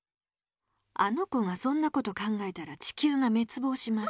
あの子がそんなこと考えたら地球がめつぼうします。